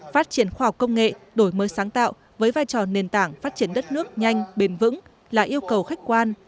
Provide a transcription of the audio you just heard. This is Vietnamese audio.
phát triển khoa học công nghệ đổi mới sáng tạo với vai trò nền tảng phát triển đất nước nhanh bền vững là yêu cầu khách quan